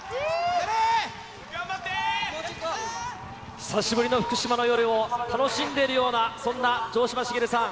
久しぶりの福島の夜を楽しんでいるような、そんな城島茂さん。